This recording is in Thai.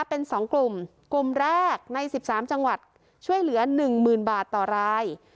เป็นสองกลุ่มกลุ่มแรกในสิบสามจังหวัดช่วยเหลือหนึ่งหมื่นบาทต่อราย